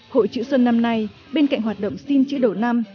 hội chữ xuân năm nay bên cạnh hoạt động xin chữ đầu năm